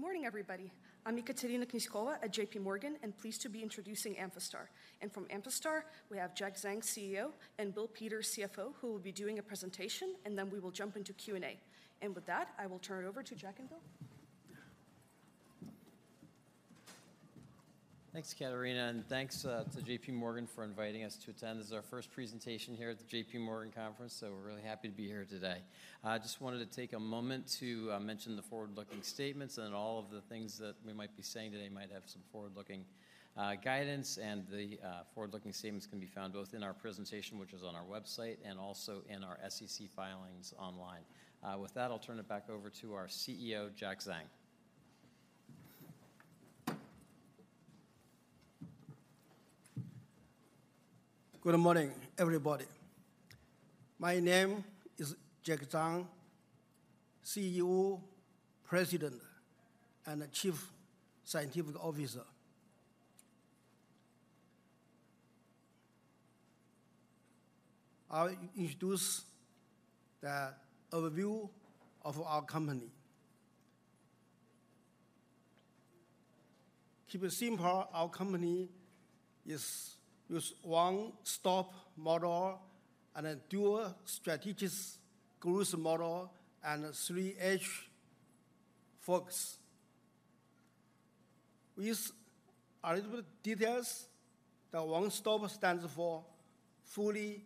Good morning, everybody. I'm Ekaterina Knyazkova at J.P. Morgan, and pleased to be introducing Amphastar. From Amphastar, we have Jack Zhang, CEO, and Bill Peters, CFO, who will be doing a presentation, and then we will jump into Q&A. With that, I will turn it over to Jack and Bill. Thanks, Ekaterina, and thanks to J.P. Morgan for inviting us to attend. This is our first presentation here at the J.P. Morgan conference, so we're really happy to be here today. I just wanted to take a moment to mention the forward-looking statements and all of the things that we might be saying today might have some forward-looking guidance, and the forward-looking statements can be found both in our presentation, which is on our website, and also in our SEC filings online. With that, I'll turn it back over to our CEO, Jack Zhang. Good morning, everybody. My name is Jack Zhang, CEO, President, and Chief Scientific Officer. I'll introduce the overview of our company. Keep it simple, our company is use one-stop model and a dual strategic growth model and a three H focus. With a little bit of details, the one-stop stands for fully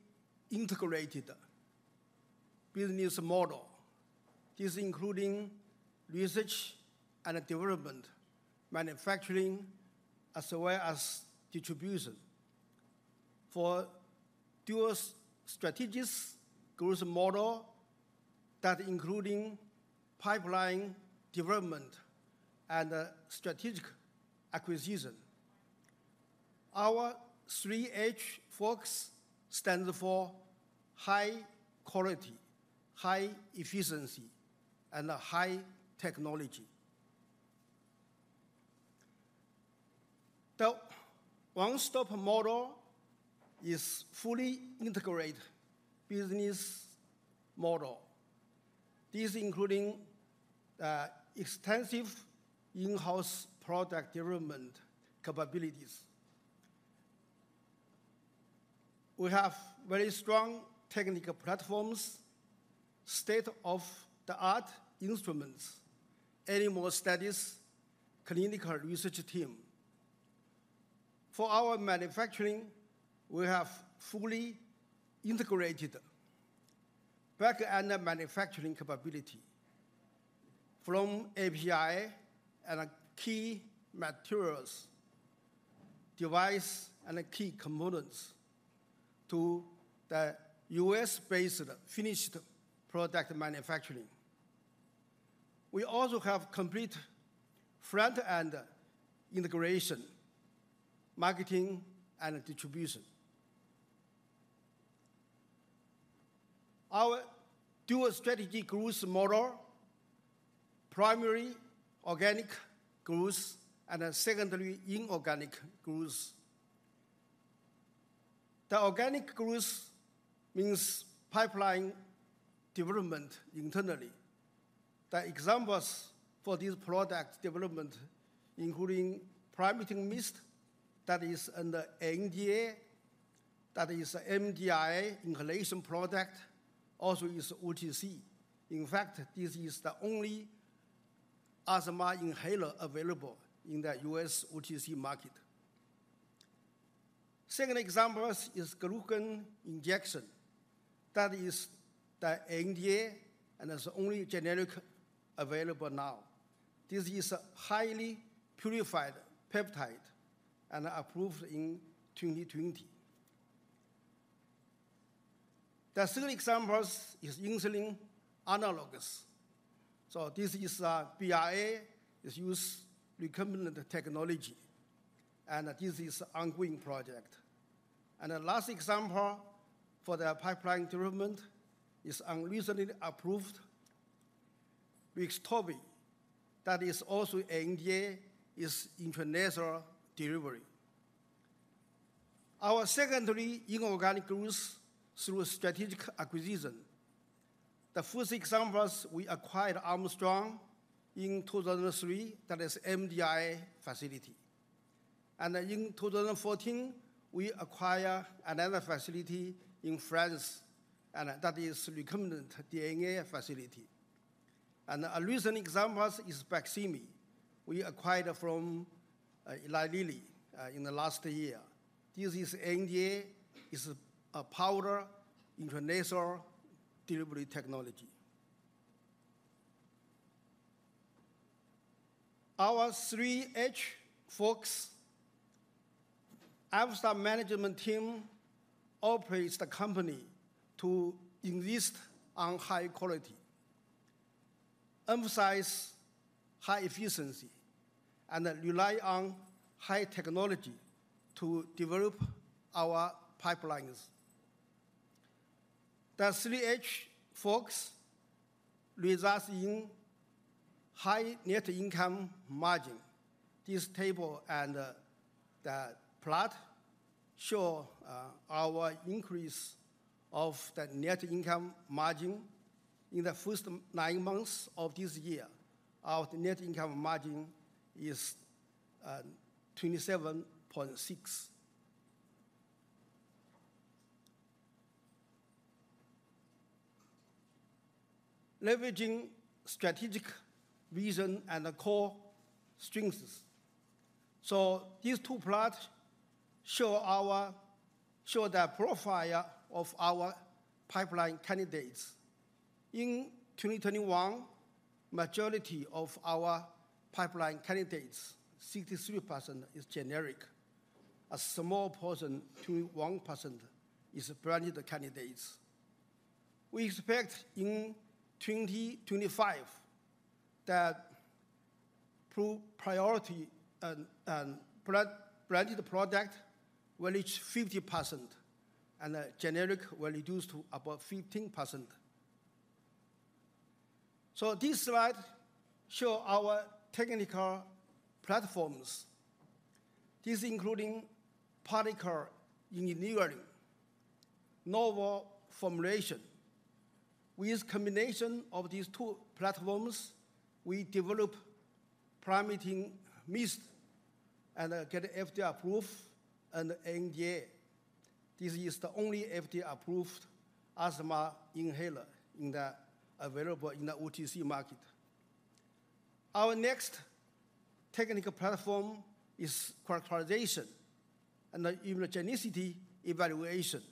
integrated business model. This including research and development, manufacturing, as well as distribution. For dual strategic growth model, that including pipeline development and strategic acquisition. Our three H focus stands for high quality, high efficiency, and high technology. The one-stop model is fully integrated business model. This including extensive in-house product development capabilities. We have very strong technical platforms, state-of-the-art instruments, animal studies, clinical research team. For our manufacturing, we have fully integrated back-end manufacturing capability from API and key materials, device, and key components to the U.S.-based finished product manufacturing. We also have complete front-end integration, marketing, and distribution. Our dual strategy growth model, primary organic growth and secondly, inorganic growth. The organic growth means pipeline development internally. The examples for this product development, including Primatene Mist, that is under NDA, that is MDI inhalation product, also is OTC. In fact, this is the only asthma inhaler available in the U.S. OTC market. Second example is glucagon Injection. That is the NDA, and is the only generic available now. This is a highly purified peptide and approved in 2020. The third example is insulin analogs. So this is, BLA, is use recombinant technology, and this is ongoing project. And the last example for the pipeline development is our recently approved Rextovy. That is also NDA, is intranasal delivery. Our secondary inorganic growth through strategic acquisition. The first example, we acquired Armstrong in 2003, that is MDI facility. In 2014, we acquire another facility in France, and that is recombinant DNA facility. A recent example is Baqsimi we acquired from Eli Lilly in the last year. This is NDA, is a powder intranasal delivery technology. Our three H focus, Amphastar management team operates the company to insist on high quality, emphasize high efficiency, and rely on high technology to develop our pipelines. The three H focus results in high net income margin. This table and the plot show our increase of the net income margin in the first nine months of this year. Our net income margin is 27.6%. Leveraging strategic vision and the core strengths. These two plots show our, show the profile of our pipeline candidates. In 2021, majority of our pipeline candidates, 63%, is generic. A small portion, 21%, is branded candidates. We expect in 2025, that proprietary and branded product will reach 50%, and the generic will reduce to about 15%. This slide show our technical platforms. This including particle engineering, novel formulation. With combination of these two platforms, we develop Primatene Mist and get FDA approved and NDA. This is the only FDA-approved asthma inhaler available in the OTC market. Our next technical platform is characterization and immunogenicity evaluation.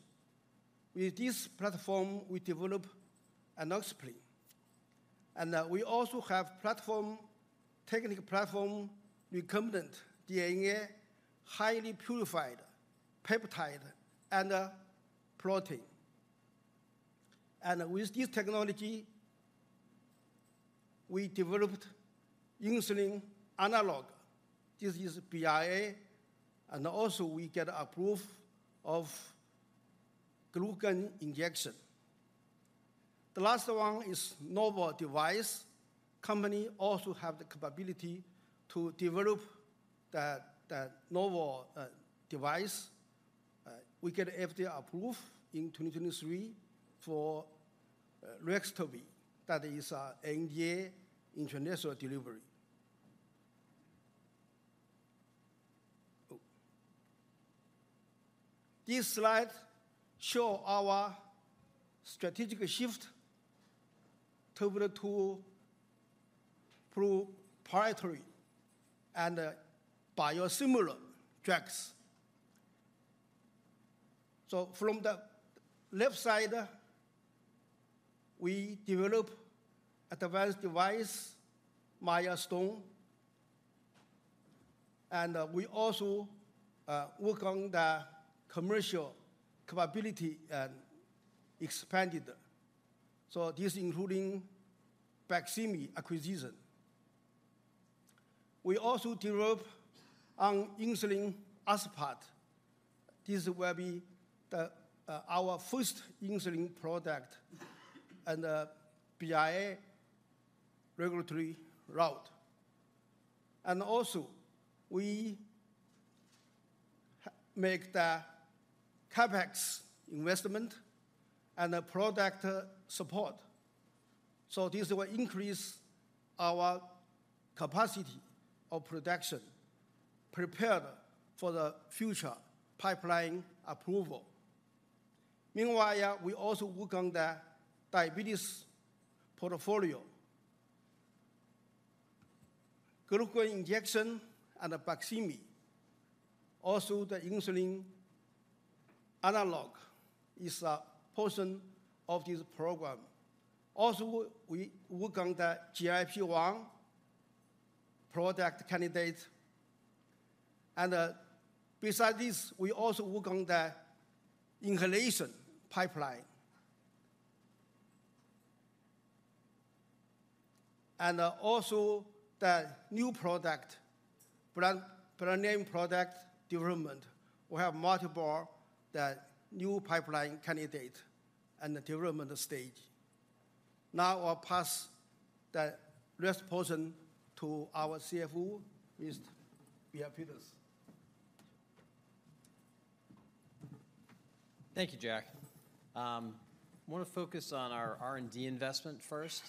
With this platform, we develop enoxaparin, and we also have platform, technical platform, recombinant DNA, highly purified peptide and protein. And with this technology, we developed insulin analog. This is BLA, and also we get approval of glucagon injection. The last one is novel device. Company also have the capability to develop the novel device. We get FDA approved in 2023 for Rextovy. That is a NDA intranasal delivery. This slide show our strategic shift toward to proprietary and biosimilar drugs. So from the left side, we develop advanced device milestone, and we also work on the commercial capability and expanded. So this including Baqsimi acquisition. We also develop insulin aspart. This will be the our first insulin product and BLA regulatory route. And also, we make the CapEx investment and the product support. So this will increase our capacity of production, prepared for the future pipeline approval. Meanwhile, we also work on the diabetes portfolio. Glucagon injection and Baqsimi, also the insulin analog, is a portion of this program. Also, we work on the GLP-1 product candidate. Besides this, we also work on the inhalation pipeline. Also the new product, brand, brand name product development. We have multiple the new pipeline candidate and the development stage. Now, I'll pass the rest portion to our CFO, Mr. Bill Peters. Thank you, Jack. I wanna focus on our R&D investment first,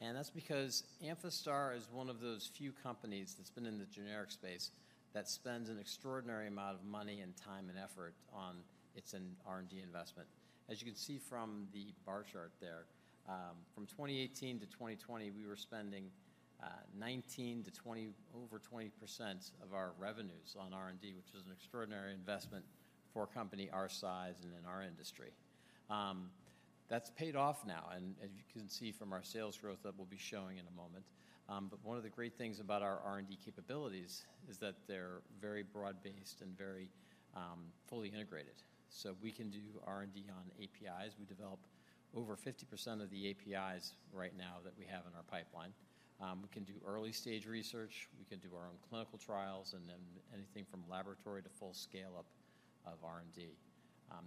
and that's because Amphastar is one of those few companies that's been in the generic space that spends an extraordinary amount of money and time and effort on its R&D investment. As you can see from the bar chart there, from 2018 to 2020, we were spending, 19 to 20, over 20% of our revenues on R&D, which is an extraordinary investment for a company our size and in our industry. That's paid off now, and as you can see from our sales growth that we'll be showing in a moment. But one of the great things about our R&D capabilities is that they're very broad-based and very fully integrated. So we can do R&D on APIs. We develop over 50% of the APIs right now that we have in our pipeline. We can do early-stage research, we can do our own clinical trials, and then anything from laboratory to full scale-up of R&D.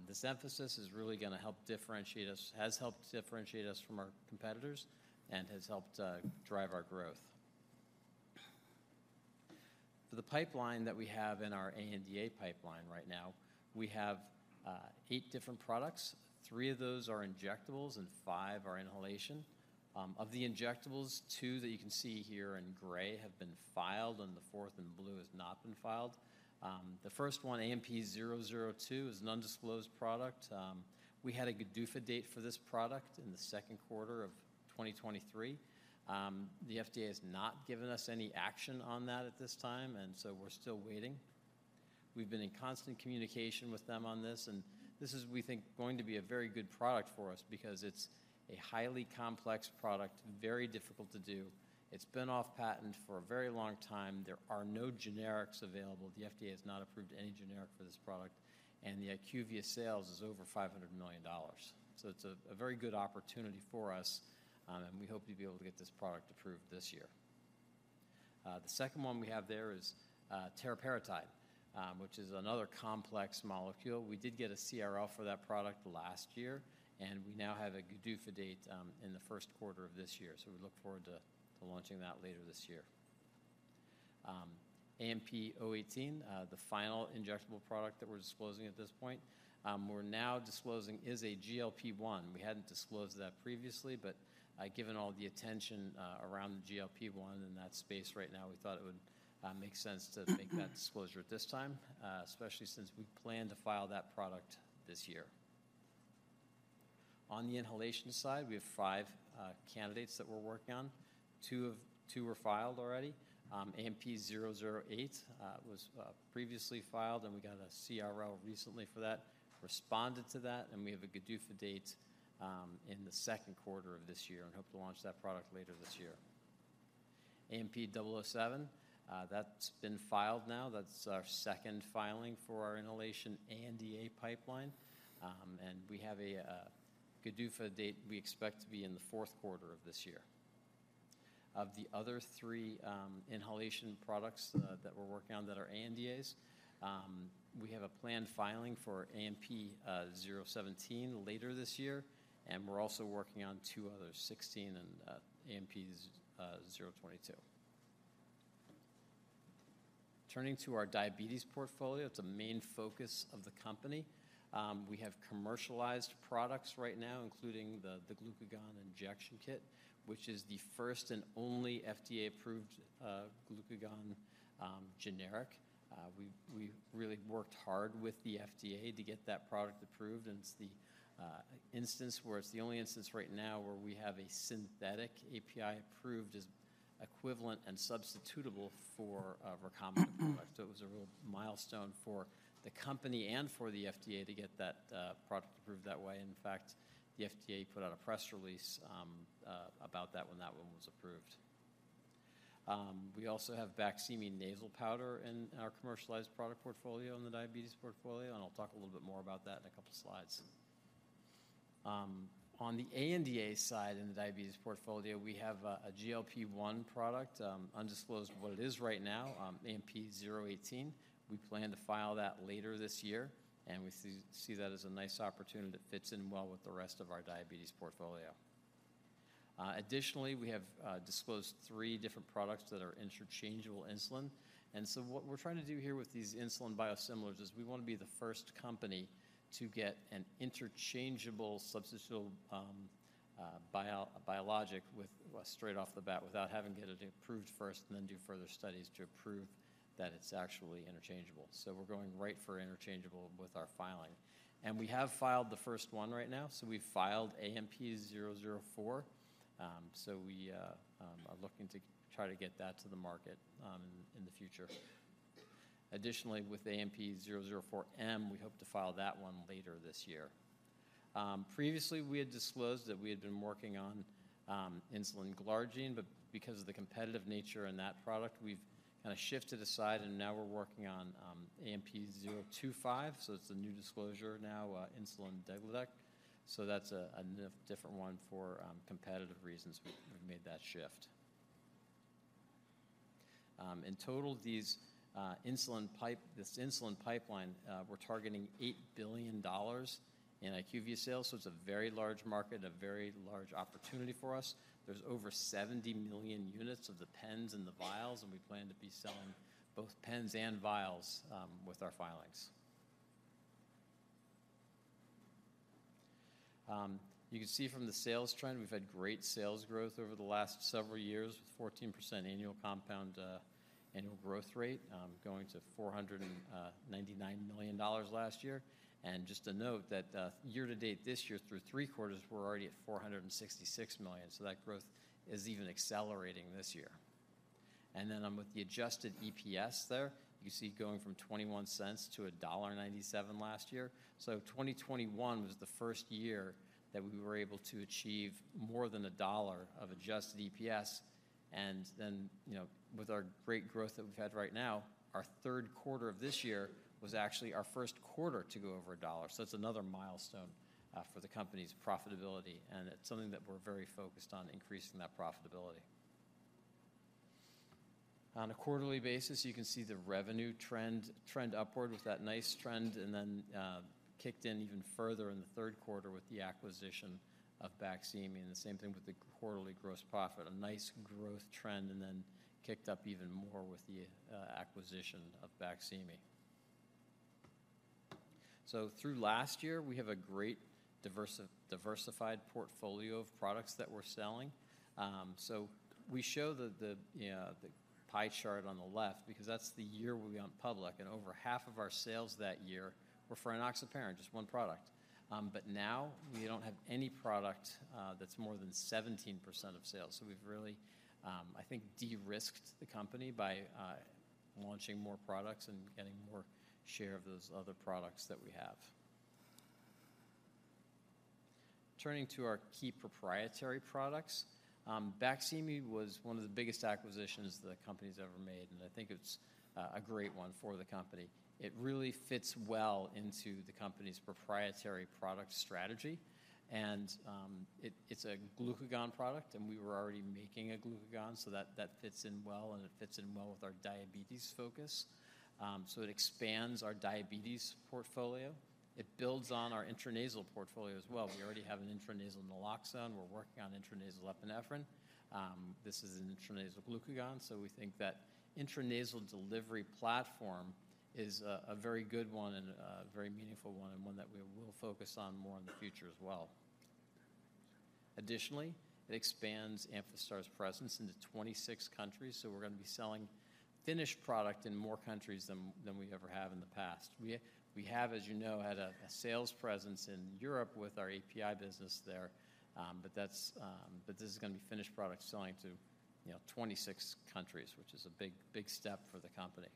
This emphasis is really gonna help differentiate us, has helped differentiate us from our competitors and has helped drive our growth. For the pipeline that we have in our ANDA pipeline right now, we have 8 different products. 3 of those are injectables, and 5 are inhalation. Of the injectables, two that you can see here in gray have been filed, and the fourth in blue has not been filed. The first one, AMP-002, is an undisclosed product. We had a GDUFA date for this product in the second quarter of 2023. The FDA has not given us any action on that at this time, and so we're still waiting. We've been in constant communication with them on this, and this is, we think, going to be a very good product for us, because it's a highly complex product, very difficult to do. It's been off patent for a very long time. There are no generics available. The FDA has not approved any generic for this product, and the IQVIA sales is over $500 million. So it's a very good opportunity for us, and we hope to be able to get this product approved this year. The second one we have there is teriparatide, which is another complex molecule. We did get a CRL for that product last year, and we now have a GDUFA date in the first quarter of this year. So we look forward to launching that later this year. AMP-018, the final injectable product that we're disclosing at this point, we're now disclosing is a GLP-1. We hadn't disclosed that previously, but, given all the attention around the GLP-1 in that space right now, we thought it would make sense to make that disclosure at this time, especially since we plan to file that product this year. On the inhalation side, we have 5 candidates that we're working on. 2 were filed already. AMP-008 was previously filed, and we got a CRL recently for that, responded to that, and we have a GDUFA date in the second quarter of this year and hope to launch that product later this year. AMP-007, that's been filed now. That's our second filing for our inhalation ANDA pipeline. And we have a GDUFA date we expect to be in the fourth quarter of this year. Of the other three inhalation products that we're working on that are ANDAs, we have a planned filing for AMP-017 later this year, and we're also working on two others, AMP-016 and AMP-022. Turning to our diabetes portfolio, it's a main focus of the company. We have commercialized products right now, including the glucagon injection kit, which is the first and only FDA-approved glucagon generic. We've really worked hard with the FDA to get that product approved, and it's the instance where it's the only instance right now where we have a synthetic API approved as equivalent and substitutable for a recombinant product. So it was a real milestone for the company and for the FDA to get that product approved that way. In fact, the FDA put out a press release about that when that one was approved. We also have Baqsimi nasal powder in our commercialized product portfolio, in the diabetes portfolio, and I'll talk a little bit more about that in a couple slides. On the ANDA side in the diabetes portfolio, we have a GLP-1 product, undisclosed what it is right now, AMP-018. We plan to file that later this year, and we see that as a nice opportunity that fits in well with the rest of our diabetes portfolio. Additionally, we have disclosed three different products that are interchangeable insulin. What we're trying to do here with these insulin biosimilars is we want to be the first company to get an interchangeable, substitutable, biologic with straight off the bat without having to get it approved first and then do further studies to prove that it's actually interchangeable. So we're going right for interchangeable with our filing. And we have filed the first one right now, so we've filed AMP-004. So we are looking to try to get that to the market in the future. Additionally, with AMP-004-M, we hope to file that one later this year. Previously, we had disclosed that we had been working on insulin glargine, but because of the competitive nature in that product, we've kind of shifted aside, and now we're working on AMP-025, so it's a new disclosure now, insulin degludec. So that's a different one. For competitive reasons, we've made that shift. In total, this insulin pipeline, we're targeting $8 billion in IQVIA sales, so it's a very large market, a very large opportunity for us. There's over 70 million units of the pens and the vials, and we plan to be selling both pens and vials with our filings. You can see from the sales trend, we've had great sales growth over the last several years, with 14% annual compound annual growth rate, going to $499 million last year. And just to note that, year to date this year through three quarters, we're already at $466 million, so that growth is even accelerating this year. And then, with the adjusted EPS there, you see it going from $0.21 to $1.97 last year. So 2021 was the first year that we were able to achieve more than $1 of adjusted EPS, and then, you know, with our great growth that we've had right now, our third quarter of this year was actually our first quarter to go over $1. So that's another milestone for the company's profitability, and it's something that we're very focused on, increasing that profitability. On a quarterly basis, you can see the revenue trend upward with that nice trend, and then kicked in even further in the third quarter with the acquisition of Baqsimi, and the same thing with the quarterly gross profit. A nice growth trend, and then kicked up even more with the acquisition of Baqsimi. So through last year, we have a great diversified portfolio of products that we're selling. So we show the pie chart on the left because that's the year we went public, and over half of our sales that year were for naloxone parenteral, just one product. But now we don't have any product that's more than 17% of sales. So we've really, I think, de-risked the company by launching more products and getting more share of those other products that we have. Turning to our key proprietary products, Baqsimi was one of the biggest acquisitions the company's ever made, and I think it's a great one for the company. It really fits well into the company's proprietary product strategy, and it's a glucagon product, and we were already making a glucagon, so that fits in well, and it fits in well with our diabetes focus. So it expands our diabetes portfolio. It builds on our intranasal portfolio as well. We already have an intranasal naloxone. We're working on intranasal epinephrine. This is an intranasal glucagon, so we think that intranasal delivery platform is a very good one and a very meaningful one, and one that we will focus on more in the future as well. Additionally, it expands Amphastar's presence into 26 countries, so we're going to be selling finished product in more countries than we ever have in the past. We have, as you know, had a sales presence in Europe with our API business there, but that's... But this is going to be finished product selling to, you know, 26 countries, which is a big, big step for the company.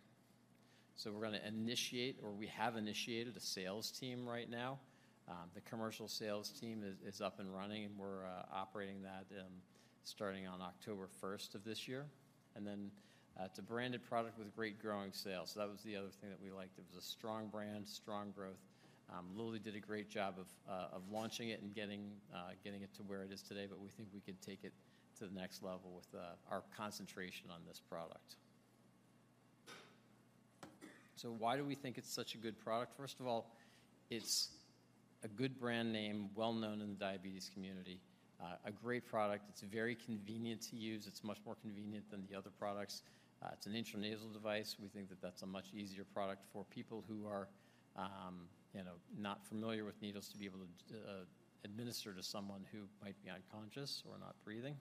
So we're going to initiate, or we have initiated a sales team right now. The commercial sales team is up and running, and we're operating that, starting on October first of this year. Then, it's a branded product with great growing sales. So that was the other thing that we liked. It was a strong brand, strong growth. Lilly did a great job of launching it and getting it to where it is today, but we think we can take it to the next level with our concentration on this product. So why do we think it's such a good product? First of all, it's a good brand name, well known in the diabetes community, a great product. It's very convenient to use. It's much more convenient than the other products. It's an intranasal device. We think that that's a much easier product for people who are, you know, not familiar with needles to be able to administer to someone who might be unconscious or not breathing.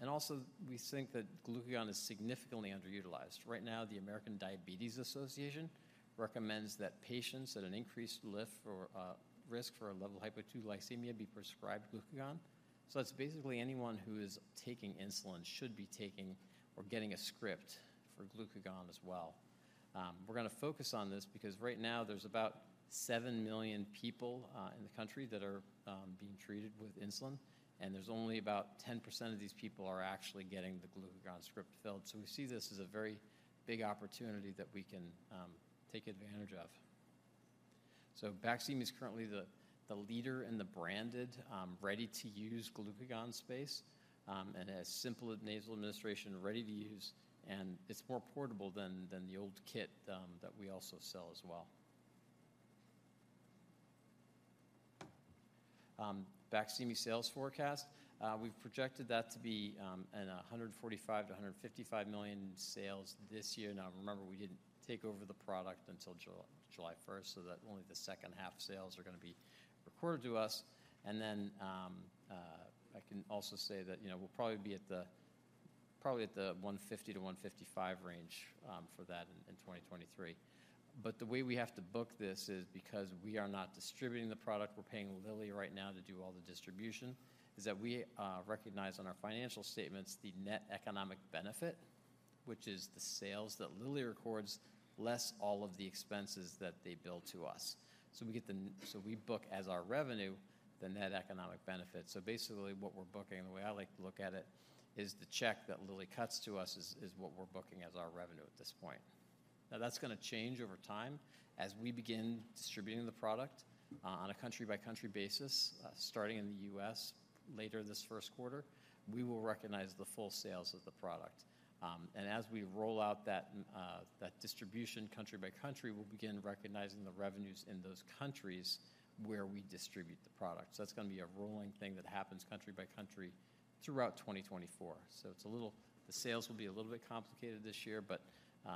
And also, we think that glucagon is significantly underutilized. Right now, the American Diabetes Association recommends that patients at an increased risk for risk for a level of hypoglycemia be prescribed glucagon. So that's basically anyone who is taking insulin should be taking or getting a script for glucagon as well. We're going to focus on this because right now there's about 7 million people in the country that are being treated with insulin, and there's only about 10% of these people are actually getting the glucagon script filled. So we see this as a very big opportunity that we can take advantage of. So Baqsimi is currently the leader in the branded, ready-to-use glucagon space, and it has simple nasal administration, ready to use, and it's more portable than the old kit that we also sell as well. Baqsimi sales forecast, we've projected that to be $145 million-$155 million in sales this year. Now, remember, we didn't take over the product until July first, so that only the second half of sales are going to be reported to us. And then, I can also say that, you know, we'll probably be at the $150 million-$155 million range for that in 2023. But the way we have to book this is because we are not distributing the product, we're paying Lilly right now to do all the distribution, is that we recognize on our financial statements the net economic benefit, which is the sales that Lilly records, less all of the expenses that they bill to us. So we get the So we book as our revenue, the net economic benefit. So basically, what we're booking, the way I like to look at it, is the check that Lilly cuts to us is, is what we're booking as our revenue at this point. Now, that's going to change over time as we begin distributing the product on a country-by-country basis starting in the U.S. later this first quarter, we will recognize the full sales of the product. And as we roll out that distribution country by country, we'll begin recognizing the revenues in those countries where we distribute the product. So that's going to be a rolling thing that happens country by country throughout 2024. So it's a little... The sales will be a little bit complicated this year, but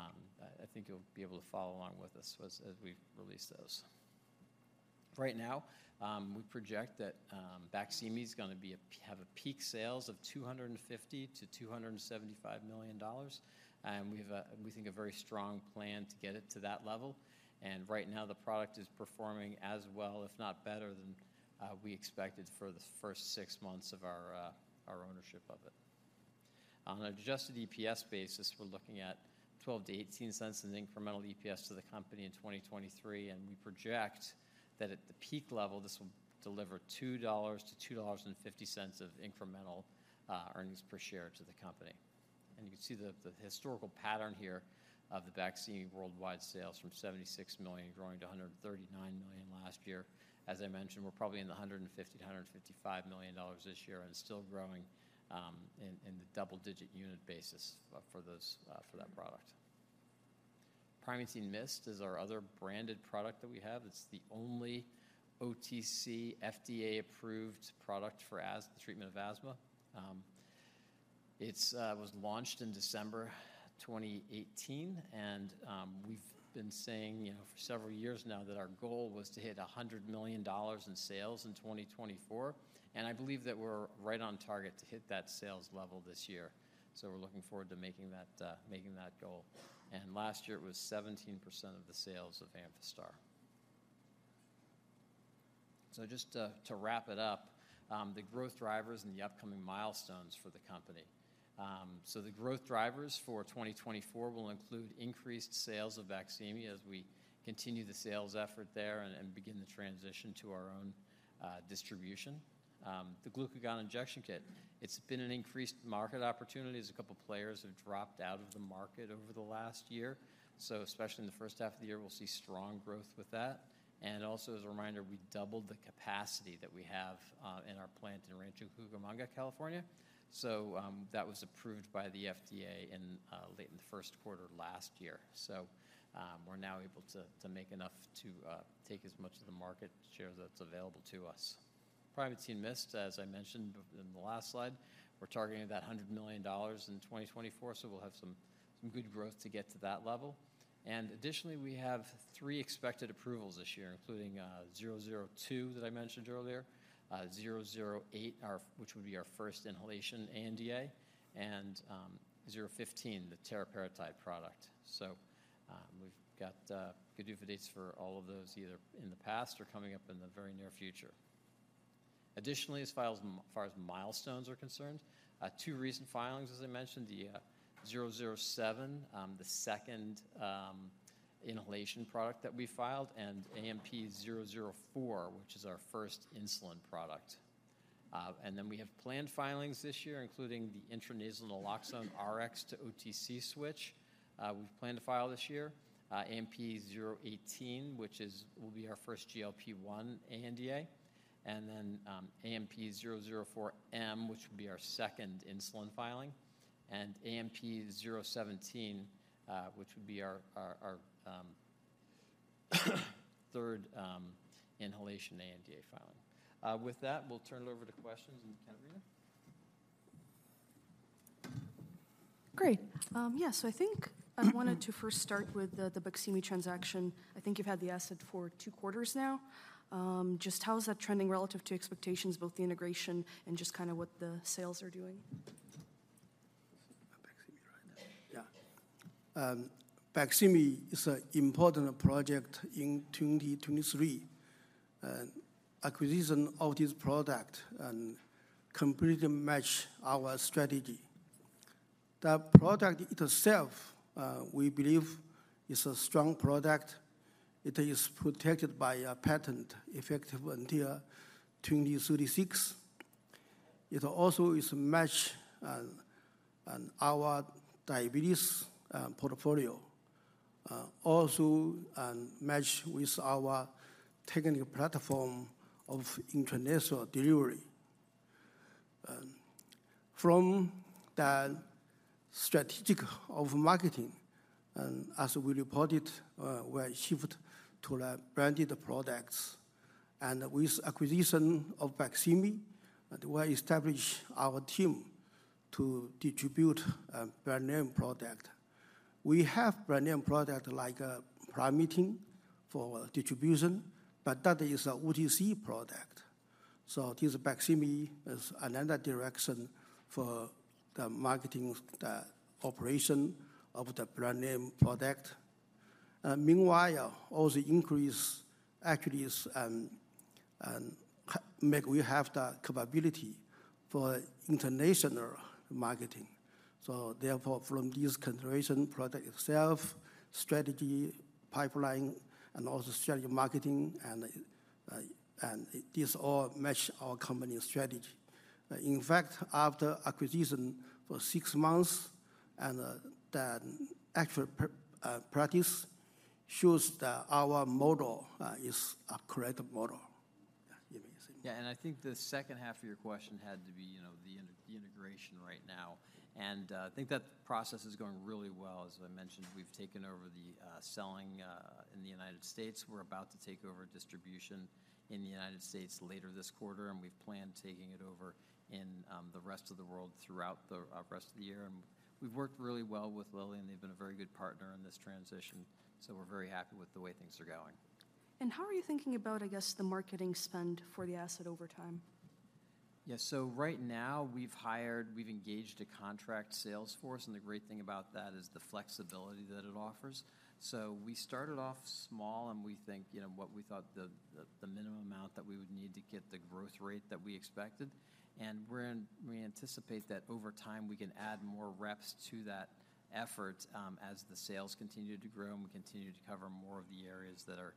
I think you'll be able to follow along with us as we release those. Right now, we project that Baqsimi is going to have peak sales of $250 million-$275 million, and we have a, we think, a very strong plan to get it to that level. And right now the product is performing as well, if not better than we expected for the first six months of our ownership of it. On an adjusted EPS basis, we're looking at $0.12-$0.18 in incremental EPS to the company in 2023, and we project that at the peak level, this will deliver $2-$2.50 of incremental earnings per share to the company. And you can see the historical pattern here of the Baqsimi worldwide sales from $76 million growing to $139 million last year. As I mentioned, we're probably in the $150-$155 million this year and still growing in the double-digit unit basis for that product. Primatene Mist is our other branded product that we have. It's the only OTC, FDA-approved product for asthma treatment. It was launched in December 2018, and we've been saying, you know, for several years now that our goal was to hit $100 million in sales in 2024, and I believe that we're right on target to hit that sales level this year. So we're looking forward to making that goal, and last year it was 17% of the sales of Amphastar. So just to wrap it up, the growth drivers and the upcoming milestones for the company. So the growth drivers for 2024 will include increased sales of Baqsimi as we continue the sales effort there and begin the transition to our own distribution. The glucagon injection kit; it's been an increased market opportunity as a couple players have dropped out of the market over the last year. So especially in the first half of the year, we'll see strong growth with that, and also as a reminder, we doubled the capacity that we have in our plant in Rancho Cucamonga, California. So, that was approved by the FDA in late in the first quarter last year. So, we're now able to make enough to take as much of the market share that's available to us. Primatene Mist, as I mentioned in the last slide, we're targeting that $100 million in 2024, so we'll have some good growth to get to that level. And additionally, we have three expected approvals this year, including zero zero two that I mentioned earlier, zero zero eight, our which would be our first inhalation ANDA, and zero fifteen, the teriparatide product. So, we've got good GDUFA dates for all of those, either in the past or coming up in the very near future. Additionally, as far as milestones are concerned, two recent filings, as I mentioned, the 007, the second inhalation product that we filed, and AMP-004, which is our first insulin product. And then we have planned filings this year, including the intranasal naloxone Rx to OTC switch. We've planned to file this year, AMP-018, which will be our first GLP-1 ANDA, and then AMP-004-M, which will be our second insulin filing, and AMP-017, which would be our third inhalation ANDA filing. With that, we'll turn it over to questions. Ekaterina? Great. Yeah, so I think I wanted to first start with the Baqsimi transaction. I think you've had the asset for two quarters now. Just how is that trending relative to expectations, both the integration and just kind of what the sales are doing? Baqsimi, right? Yeah. Baqsimi is an important project in 2023, and acquisition of this product completely match our strategy. The product itself, we believe is a strong product. It is protected by a patent effective until 2036. It also is match on our diabetes portfolio also match with our technical platform of intranasal delivery. From the strategic of marketing, and as we reported, we are shift to the branded products, and with acquisition of Baqsimi, we establish our team to distribute a brand name product. We have brand name product like Primatene for distribution, but that is a OTC product. So this Baqsimi is another direction for the marketing, the operation of the brand name product. Meanwhile, all the increase actually is make we have the capability for international marketing. So therefore, from this consideration, product itself, strategy, pipeline, and also strategy, marketing, and this all match our company strategy. In fact, after acquisition for six months and the actual practice shows that our model is a correct model. Yeah, you may say. Yeah, and I think the second half of your question had to be, you know, the integration right now, and I think that process is going really well. As I mentioned, we've taken over the selling in the United States. We're about to take over distribution in the United States later this quarter, and we've planned taking it over in the rest of the world throughout the rest of the year. We've worked really well with Lilly, and they've been a very good partner in this transition. We're very happy with the way things are going. How are you thinking about, I guess, the marketing spend for the asset over time? Yeah. So right now we've engaged a contract sales force, and the great thing about that is the flexibility that it offers. So we started off small, and we think, you know, what we thought the minimum amount that we would need to get the growth rate that we expected, and we anticipate that over time, we can add more reps to that effort, as the sales continue to grow and we continue to cover more of the areas that are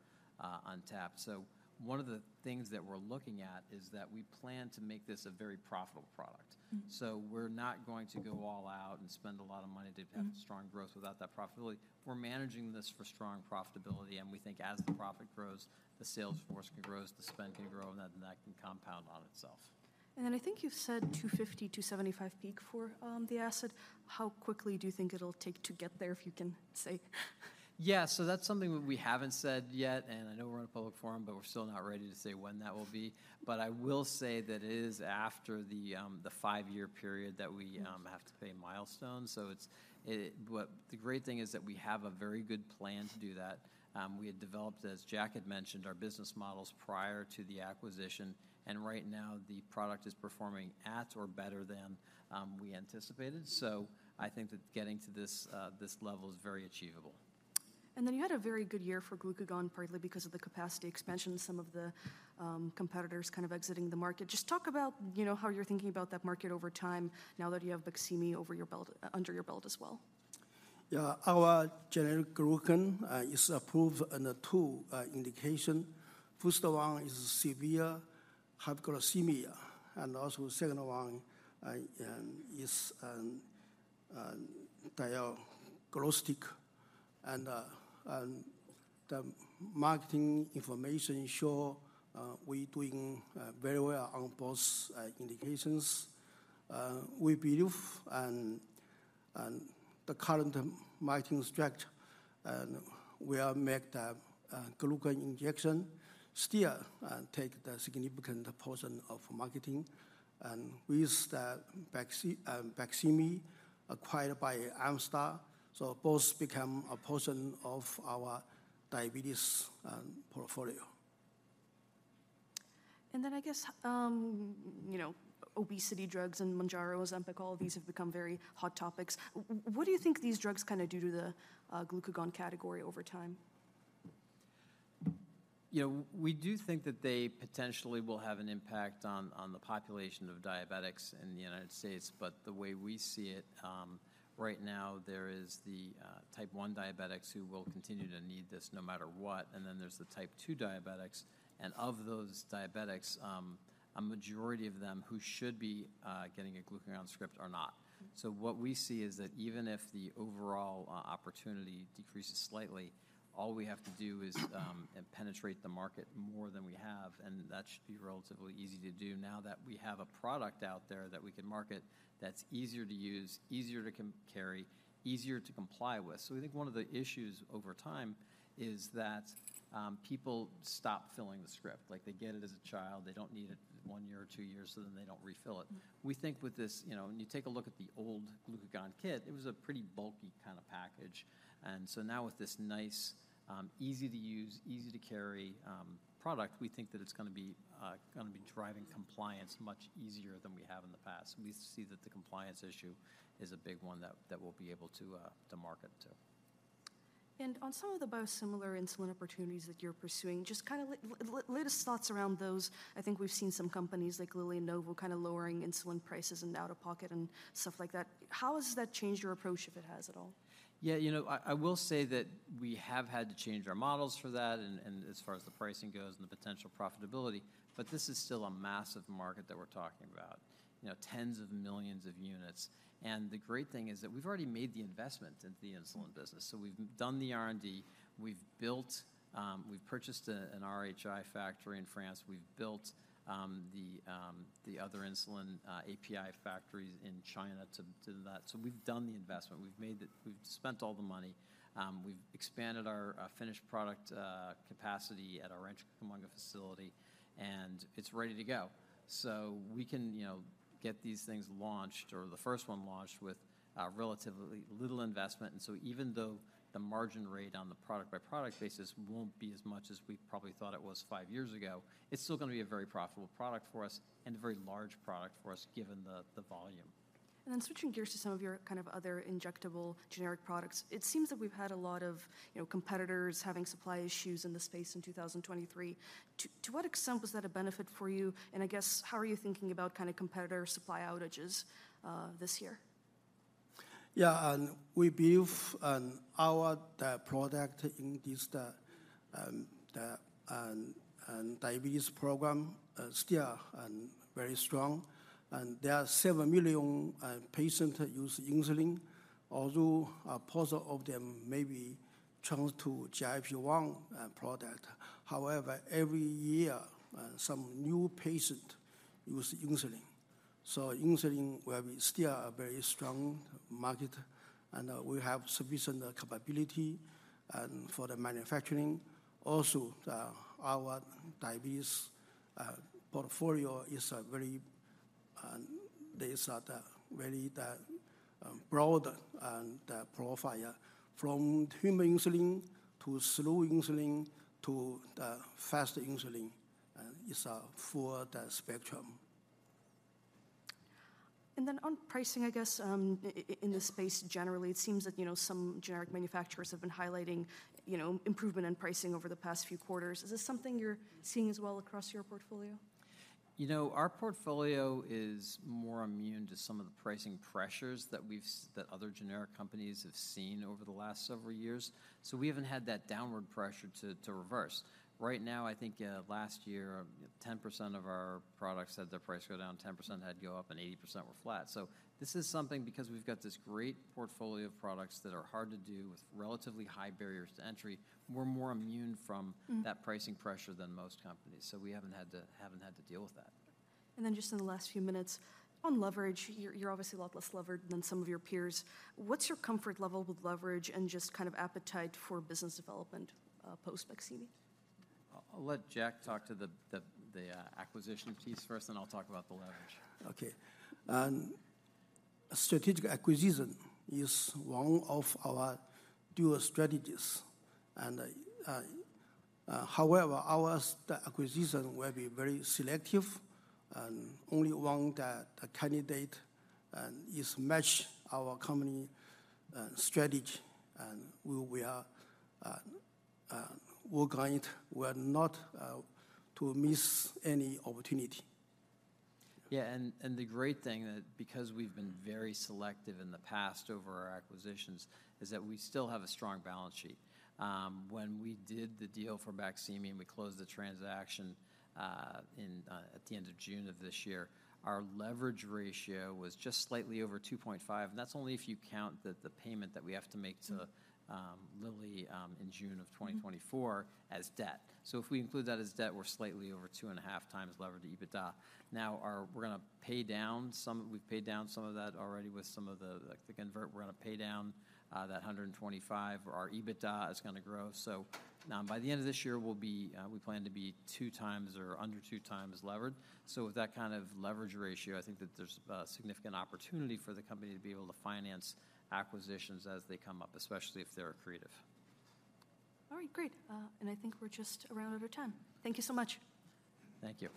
untapped. So one of the things that we're looking at is that we plan to make this a very profitable product. Mm-hmm. We're not going to go all out and spend a lot of money- Mm-hmm. - to have strong growth without that profitability. We're managing this for strong profitability, and we think as the profit grows, the sales force can grow, the spend can grow, and then that can compound on itself. And then I think you've said $250-$75 peak for the asset. How quickly do you think it'll take to get there, if you can say?... Yeah, so that's something that we haven't said yet, and I know we're in a public forum, but we're still not ready to say when that will be. But I will say that it is after the five-year period that we have to pay milestones. So it's. But the great thing is that we have a very good plan to do that. We had developed, as Jack had mentioned, our business models prior to the acquisition, and right now the product is performing at or better than we anticipated. So I think that getting to this level is very achievable. And then you had a very good year for glucagon, partly because of the capacity expansion, some of the competitors kind of exiting the market. Just talk about, you know, how you're thinking about that market over time now that you have Baqsimi under your belt as well. Yeah, our generic glucagon is approved in the two indications. First of all, is severe hypoglycemia, and also second one is diagnostic. And the marketing information show we doing very well on both indications. We believe, and the current marketing strategy, and we are make the glucagon injection still take the significant portion of marketing. And with the Baqsimi, acquired by Amphastar, so both become a portion of our diabetes portfolio. Then I guess, you know, obesity drugs and Mounjaro, Ozempic, all these have become very hot topics. What do you think these drugs kind of do to the glucagon category over time? You know, we do think that they potentially will have an impact on the population of diabetics in the United States. But the way we see it, right now, there is the Type 1 diabetics who will continue to need this no matter what, and then there's the Type 2 diabetics. And of those diabetics, a majority of them who should be getting a glucagon script are not. So what we see is that even if the overall opportunity decreases slightly, all we have to do is penetrate the market more than we have, and that should be relatively easy to do now that we have a product out there that we can market that's easier to use, easier to carry, easier to comply with. So we think one of the issues over time is that people stop filling the script. Like, they get it as a child, they don't need it one year or two years, so then they don't refill it. Mm-hmm. We think with this, you know, when you take a look at the old glucagon kit, it was a pretty bulky kind of package. And so now with this nice, easy-to-use, easy-to-carry, product, we think that it's gonna be gonna be driving compliance much easier than we have in the past. We see that the compliance issue is a big one that, that we'll be able to to market to. On some of the biosimilar insulin opportunities that you're pursuing, just kind of latest thoughts around those. I think we've seen some companies like Lilly and Novo kind of lowering insulin prices and out-of-pocket and stuff like that. How has that changed your approach, if it has at all? Yeah, you know, I will say that we have had to change our models for that and as far as the pricing goes and the potential profitability, but this is still a massive market that we're talking about. You know, tens of millions of units. And the great thing is that we've already made the investment into the insulin business. So we've done the R&D, we've built, we've purchased an RHI factory in France, we've built the other insulin API factories in China to that. So we've done the investment. We've made the... We've spent all the money. We've expanded our finished product capacity at our Rancho Cucamonga facility, and it's ready to go. So we can, you know, get these things launched, or the first one launched, with relatively little investment. And so even though the margin rate on the product-by-product basis won't be as much as we probably thought it was five years ago, it's still gonna be a very profitable product for us and a very large product for us, given the, the volume. And then switching gears to some of your kind of other injectable generic products, it seems that we've had a lot of, you know, competitors having supply issues in this space in 2023. To what extent was that a benefit for you, and I guess, how are you thinking about kind of competitor supply outages this year? Yeah, and we believe our product in this diabetes program is still very strong. And there are several million patients that use insulin, although a portion of them may be turned to GLP-1 product. However, every year, some new patient use insulin. So insulin will be still a very strong market, and we have sufficient capability and for the manufacturing. Also, our diabetes portfolio is a very broad profile, from human insulin to slow insulin to the fast insulin. It's for the spectrum. And then on pricing, I guess, in this space generally, it seems that, you know, some generic manufacturers have been highlighting, you know, improvement in pricing over the past few quarters. Is this something you're seeing as well across your portfolio? You know, our portfolio is more immune to some of the pricing pressures that we've that other generic companies have seen over the last several years. So we haven't had that downward pressure to reverse. Right now, I think, last year, 10% of our products had their price go down, 10% had go up, and 80% were flat. So this is something, because we've got this great portfolio of products that are hard to do with relatively high barriers to entry, we're more immune from- Mm-hmm... that pricing pressure than most companies. So we haven't had to deal with that. Then just in the last few minutes, on leverage, you're obviously a lot less levered than some of your peers. What's your comfort level with leverage and just kind of appetite for business development, post-Baqsimi? I'll let Jack talk to the acquisition piece first, then I'll talk about the leverage. Okay. Strategic acquisition is one of our dual strategies. However, our acquisition will be very selective, and only one that a candidate is match our company strategy, and we're going-- We're not to miss any opportunity. Yeah, and the great thing that because we've been very selective in the past over our acquisitions, is that we still have a strong balance sheet. When we did the deal for Baqsimi, and we closed the transaction, in, at the end of June of this year, our leverage ratio was just slightly over 2.5, and that's only if you count the, the payment that we have to make to- Mm... Lilly, in June of 2024- Mm... as debt. So if we include that as debt, we're slightly over 2.5x levered to EBITDA. Now, we're gonna pay down some, we've paid down some of that already with some of the, like, the convert. We're gonna pay down that $125 million, or our EBITDA is gonna grow. So, by the end of this year, we'll be, we plan to be 2x or under 2x levered. So with that kind of leverage ratio, I think that there's a significant opportunity for the company to be able to finance acquisitions as they come up, especially if they're accretive. All right, great. I think we're just about out of time. Thank you so much. Thank you.